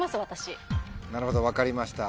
なるほど分かりました。